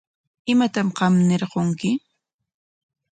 ¿Imatam qam ñirqunki?